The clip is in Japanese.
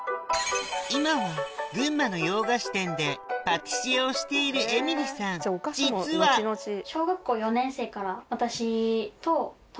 今は群馬の洋菓子店でパティシエをしているえみりさん実は「いいね！」